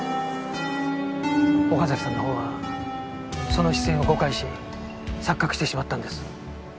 岡崎さんのほうはその視線を誤解し錯覚してしまったんです。